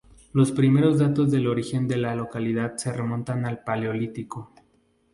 Los primeros datos del origen de la localidad se remontan al Paleolítico.